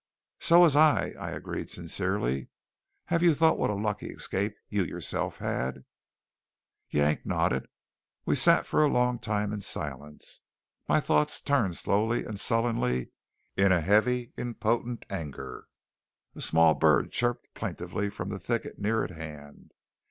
"So was I," I agreed sincerely. "Have you thought what a lucky escape you yourself had?" Yank nodded. We sat for a long time in silence. My thoughts turned slowly and sullenly in a heavy, impotent anger. A small bird chirped plaintively from the thicket near at hand.